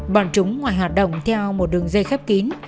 bọn chúng ngoài hoạt động theo một đường dây khép kín